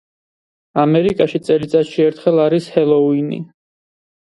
ამერიკაში წელიწადში ერთხელ არის ჰელოუინი.